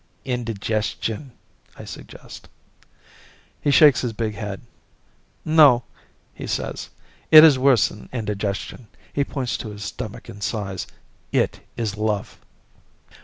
"Indigestion," I suggest. He shakes his big head. "No," he says, "it is worse than indigestion." He points to his stomach and sighs. "It is love."